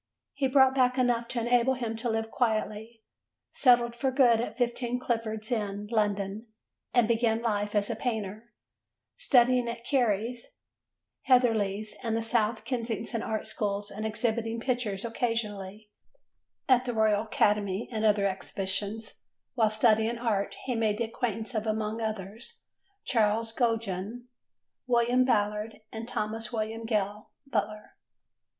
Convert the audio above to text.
He brought back enough to enable him to live quietly, settled for good at 15 Clifford's Inn, London, and began life as a painter, studying at Cary's, Heatherley's and the South Kensington Art Schools and exhibiting pictures occasionally at the Royal Academy and other exhibitions: while studying art he made the acquaintance of, among others, Charles Gogin, William Ballard and Thomas William Gale Butler.